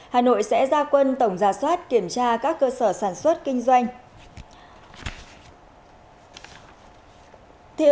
hà nội sẽ ra quân tổng giả soát kiểm tra các cơ sở sản xuất kinh doanh